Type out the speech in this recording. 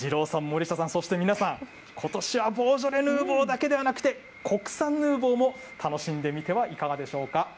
二郎さん、森下さん、そして皆さん、ことしはボージョレ・ヌーボーだけではなくて、国産ヌーボーも楽しんでみてはいかがでしょうか？